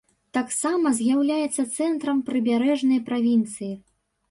Таксама з'яўляецца цэнтрам прыбярэжнай правінцыі.